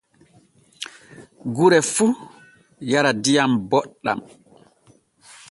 Gure fuu yara diam boɗɗan.